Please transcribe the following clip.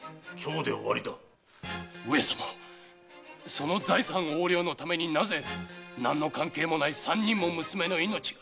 その財産横領のためになぜ何の関係もない三人もの娘の命が？